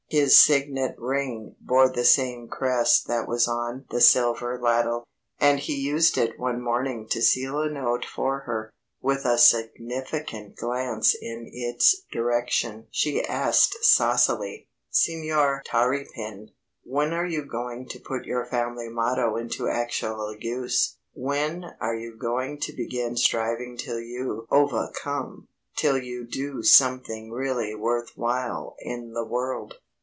His signet ring bore the same crest that was on the silver ladle, and he used it one morning to seal a note for her. With a significant glance in its direction she asked saucily, "Señor Tarrypin, when are you going to put your family motto into actual use? When are you going to begin striving till you ovahcome till you do something really worth while in the world?"